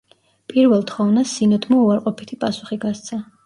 პირველ თხოვნას სინოდმა უარყოფითი პასუხი გასცა.